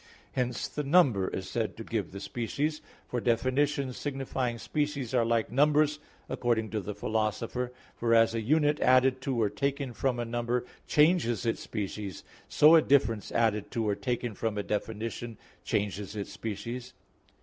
Hence the number is said to give the species, for definitions signifying species are like numbers, according to the Philosopher (Metaph. x); for as a unit added to, or taken from a number, changes its species, so a difference added to, or taken from a definition, changes its species.